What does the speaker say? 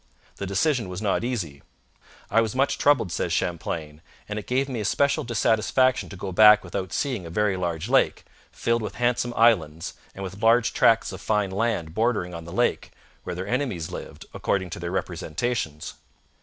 The decision was not easy. 'I was much troubled,' says Champlain. 'And it gave me especial dissatisfaction to go back without seeing a very large lake, filled with handsome islands and with large tracts of fine land bordering on the lake, where their enemies lived, according to their representations.